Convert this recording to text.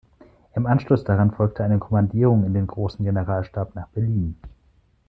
Im Anschluss daran folgte eine Kommandierung in den Großen Generalstab nach Berlin.